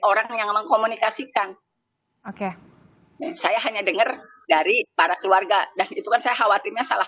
orang yang mengkomunikasikan oke saya hanya dengar dari para keluarga dan itu kan saya khawatirnya salah